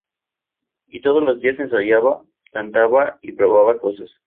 Y todos los días ensayaba, cantaba y probaba cosas.